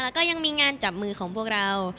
แล้วก็ยังมีงานจับมือของพวกเรา